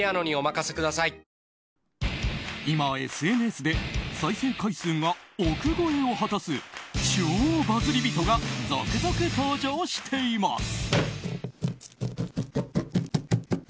今、ＳＮＳで再生回数が億超えを果たす超バズり人が続々、登場しています。